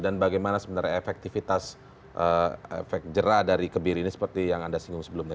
dan bagaimana sebenarnya efektivitas efek jerah dari kebiri ini seperti yang anda singgung sebelumnya